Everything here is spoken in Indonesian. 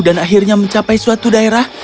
dan akhirnya mencapai suatu daerah